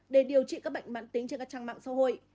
để điều trị các bệnh mãn tính trên các trang mạng xã hội